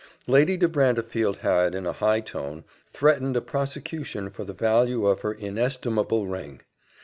Lady de Brantefield had, in a high tone, threatened a prosecution for the value of her inestimable ring.